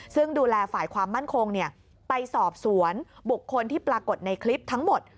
ซึ่งดูแลฝ่ายความมั่นคงไปสอบสวนบุคคลที่ปรากฏในคลิปทั้งหมด